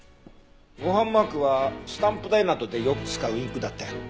ご飯マークはスタンプ台などでよく使うインクだったよ。